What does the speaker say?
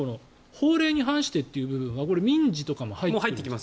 法令に関してという部分は民事とかも入ってくる？